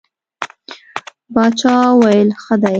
باچا وویل ښه دی.